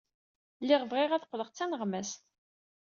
Lliɣ bɣiɣ ad qqleɣ d taneɣmast.